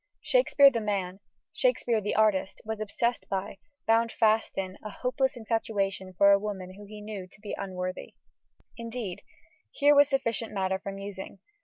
Shakespeare the man Shakespeare the artist was obsessed by bound fast in a hopeless infatuation for a woman whom he knew to be unworthy. Here, indeed, was sufficient matter for musing.